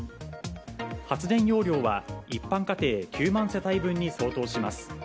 発電容量は一般家庭９万世帯分に相当します。